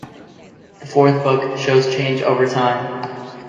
The fourth book shows change over time.